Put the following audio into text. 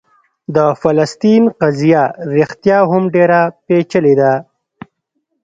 د فلسطین قضیه رښتیا هم ډېره پېچلې ده.